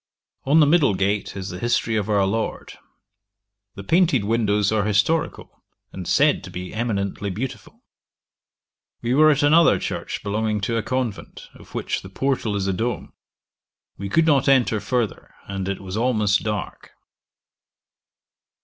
On the middle gate is the history of our Lord. The painted windows are historical, and said to be eminently beautiful. We were at another church belonging to a convent, of which the portal is a dome; we could not enter further, and it was almost dark.